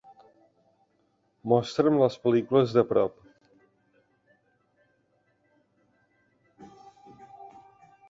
Mostra"m les pel·lícules de prop.